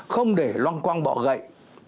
không để long quăng bọ gậy